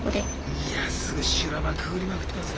いやすごい修羅場くぐりまくってますね。